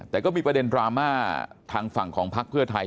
แต่ก็มีประเด็นดราม่าทางฝั่งของพักเพื่อไทย